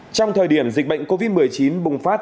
trong thời điểm dịch bệnh covid một mươi chín bùng phát